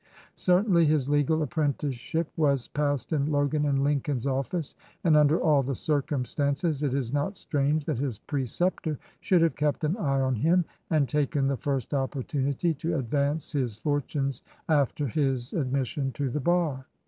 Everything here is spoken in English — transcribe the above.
Certainly his legal apprenticeship was passed in Logan & Lincoln's office, and under all the circumstances it is not strange that his preceptor should have kept an eye on him, and taken the first opportunity to advance his for 142 HEAD OF A LAW FIRM tunes after his admission to the bar.